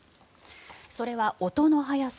それは音の速さ